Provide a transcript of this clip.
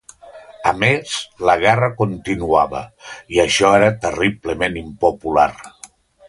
A més, la guerra continuava, i això era terriblement impopular.